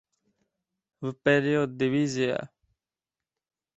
— Vperyod, diviziya!